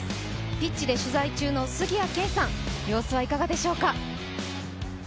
ピッチで取材中の杉谷拳士さん、様子はいかがでしょうか。